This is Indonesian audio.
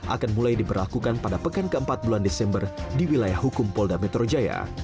akan mulai diberlakukan pada pekan keempat bulan desember di wilayah hukum polda metro jaya